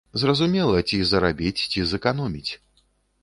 Зразумела, ці зарабіць, ці зэканоміць.